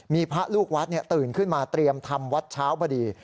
มีพระลูกวัดตื่นขึ้นมาเตรียมทำวัดเช้าพอดี